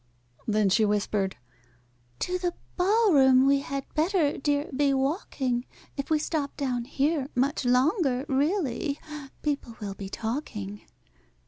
Then she whispered, "To the ball room we had better, dear, be walking; If we stop down here much longer, really people will be talking."